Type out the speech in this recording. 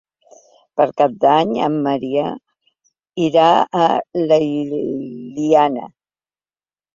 Per Cap d'Any en Maria irà a l'Eliana.